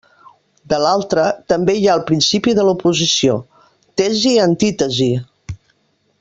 De l'altra, també hi ha el principi de l'oposició: tesi-antítesi.